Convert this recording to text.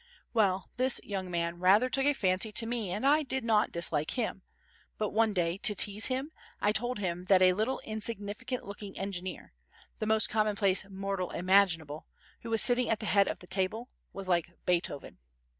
Well, this young man rather took a fancy to me and I did not dislike him, but one day, to tease him, I told him that a little insignificant looking engineer, the most commonplace mortal imaginable, who was sitting at the head of the table, was like Beethoven.